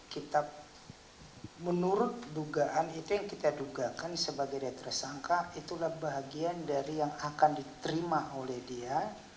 kita menurut dugaan itu yang kita duga sebagai retrasangka itulah bahagian yang akan diterima oleh dia